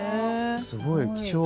すごい貴重。